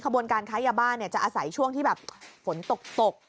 บนการค้ายาบ้าจะอาศัยช่วงที่แบบฝนตก